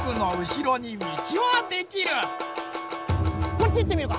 こっちいってみようか。